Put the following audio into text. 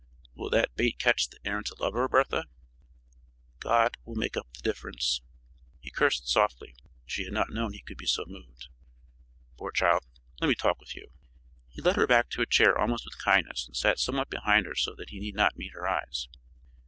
"Will that bait catch the errant lover, Bertha?" "God will make up the difference." He cursed softly. She had not known he could be so moved. "Poor child, let me talk with you." He led her back to a chair almost with kindness and sat somewhat behind her so that he need not meet her eyes.